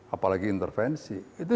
apalagi intervensi itu